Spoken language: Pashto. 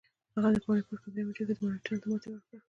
هغه د پاني پت په دریمه جګړه کې مراتیانو ته ماتې ورکړه.